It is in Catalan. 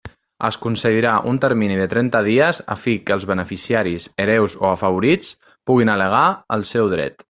Es concedirà un termini de trenta dies a fi que els beneficiaris, hereus o afavorits puguin al·legar el seu dret.